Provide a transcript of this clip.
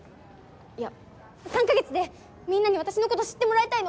いや３か月でみんなに私のこと知ってもらいたいの！